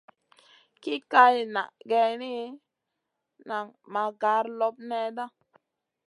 Ki kaï na geyni, nan ma gar loɓ nèhda.